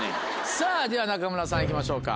さぁでは仲村さん行きましょうか。